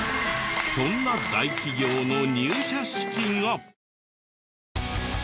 そんな大企業の入社式が。